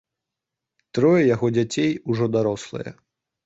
Трое яго дзяцей ужо дарослыя.